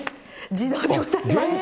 自動でございます。